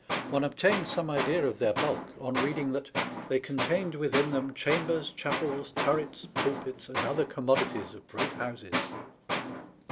One obtains some idea of their bulk on reading that '' they contained within them chamberSf, chapels, turrets, pulpits, and other commodities of great houses."